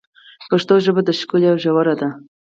پښتو ژبه ښکلي او ژوره ده.